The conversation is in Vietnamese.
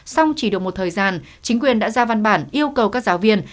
xong chỉ được một thời gian chính quyền đã ra văn bản yêu cầu các giáo viên